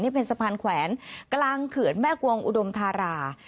นี่เป็นสะพานแขวนกลางเขื่อนแม่กวงอุดมธารา